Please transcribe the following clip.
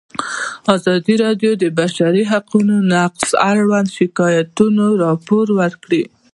ازادي راډیو د د بشري حقونو نقض اړوند شکایتونه راپور کړي.